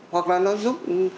hoặc là nó giúp